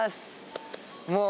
もう。